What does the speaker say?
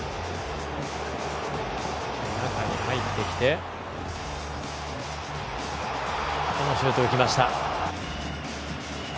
中に入ってきてこのシュート、いきました。